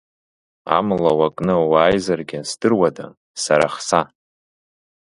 Амла уакны уааизаргьы здыруада, сара хса!